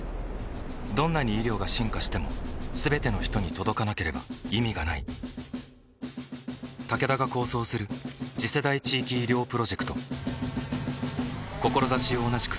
どんなに医療が進化しても全ての人に届かなければ意味がないタケダが構想する次世代地域医療プロジェクト志を同じくするあらゆるパートナーと手を組んで実用化に挑む